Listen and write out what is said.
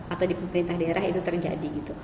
atau di pemerintah daerah itu terjadi gitu